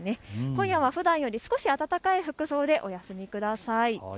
今夜はふだんより少し暖かい服装でお休みください。